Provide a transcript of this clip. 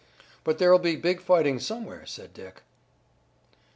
"But there'll be big fighting somewhere," said Dick.